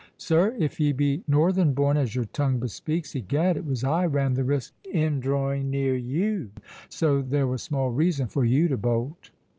Sir, if ye be northern born, as your tongue bespeaks, egad, it was I ran the risk in drawing near you; so there was small reason for you to bolt."